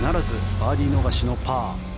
バーディー逃しのパー。